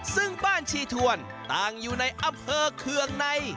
ซึ่งบ้านชีทวนตั้งอยู่ในอำเภอเคืองใน